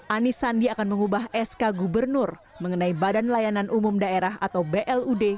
anis sandi akan mengubah sk gubernur mengenai badan layanan umum daerah atau blud